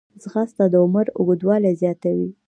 ځغاسته د عمر اوږدوالی زیاتوي